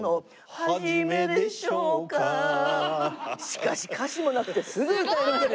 しかし歌詞もなくてすぐ歌えるんですね。